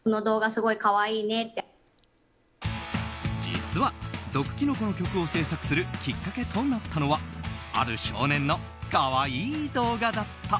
実は、「毒きのこの曲」を制作するきっかけとなったのはある少年の可愛い動画だった。